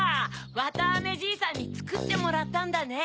わたあめじいさんにつくってもらったんだね。